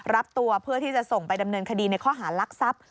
รับตัวเพื่อที่จะส่งไปดำเนินคดีในข้อหารักทรัพย์